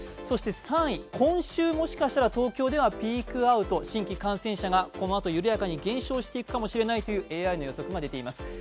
そして３位、今週もしかしたら東京ではピークアウト、新規感染者がこのあと緩やかに減少していくかもしれないというＡＩの予測が出ています。